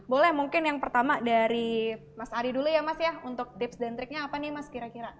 boleh mungkin yang pertama dari mas ari dulu ya mas ya untuk tips dan triknya apa nih mas kira kira